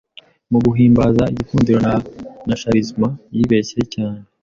muguhimbaza igikundiro na charisma yibeshye cyane